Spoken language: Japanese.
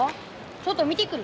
ちょっと見てくる。